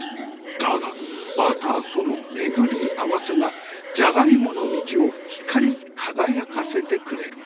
だがバターとの巡り合わせがジャガイモの道を光り輝かせてくれる。